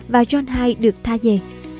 và john ii được tha về